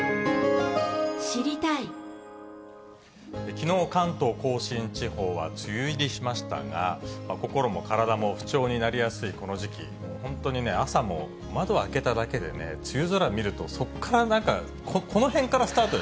きのう、関東甲信地方は梅雨入りしましたが、心も体も不調になりやすいこの時期、本当にね、朝も窓を開けただけでね、梅雨空見ると、そっからなんか、確かに。